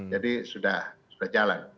jadi sudah jalan